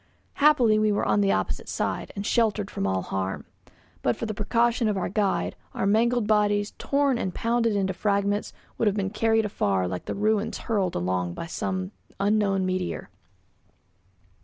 Happily we were on the opposite side, and sheltered from all harm. But for the precaution of our guide, our mangled bodies, torn and pounded into fragments, would have been carried afar like the ruins hurled along by some unknown meteor.